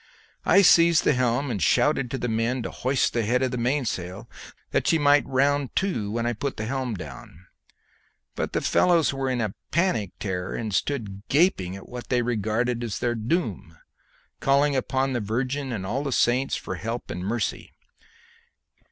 I seized the helm, and shouted to the men to hoist the head of the mainsail that she might round to when I put the helm down. But the fellows were in a panic terror and stood gaping at what they regarded as their doom, calling upon the Virgin and all the saints for help and mercy.